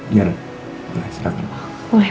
biar dong boleh